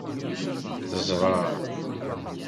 Teẓra.